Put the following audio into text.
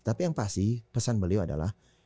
tapi yang pasti pesan beliau adalah